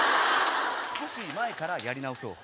少し前からやり直そう。